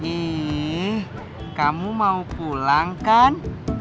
ih kamu mau pulang kan